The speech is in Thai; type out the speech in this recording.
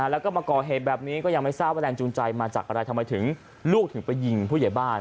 แล้วก็มาก่อเหตุแบบนี้ก็ยังไม่ทราบว่าแรงจูงใจมาจากอะไรทำไมถึงลูกถึงไปยิงผู้ใหญ่บ้าน